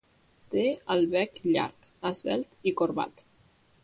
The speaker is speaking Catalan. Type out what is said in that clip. Té el bec llarg, esvelt i corbat.